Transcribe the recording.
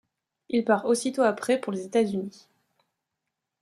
Il part aussitôt après pour les États-Unis.